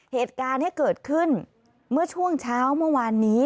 เหตุการณ์ที่เกิดขึ้นเมื่อช่วงเช้าเมื่อวานนี้